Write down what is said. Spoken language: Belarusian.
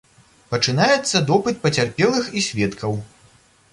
Пачынаецца допыт пацярпелых і сведкаў.